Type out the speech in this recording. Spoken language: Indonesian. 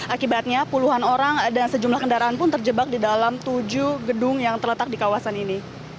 akibatnya puluhan orang dan sejumlah kendaraan pun terjebak di dalam tujuh gedung yang terletak di kawasan ini